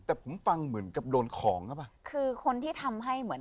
แต่ผมฟังเหมือนกับโดณของครับ